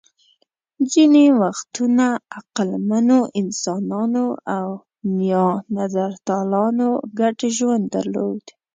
ځینې وختونه عقلمنو انسانانو او نیاندرتالانو ګډ ژوند درلود.